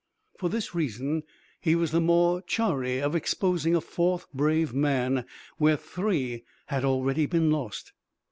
For this reason he was the more chary of exposing a fourth brave man where three had already been lost.